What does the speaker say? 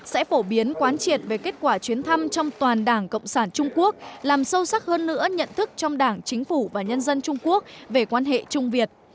sẽ phổ biến quán triệt về kết quả chuyến thăm trong toàn đảng cộng sản trung quốc làm sâu sắc hơn nữa nhận thức trong đảng chính phủ và nhân dân trung quốc về quan hệ trung việt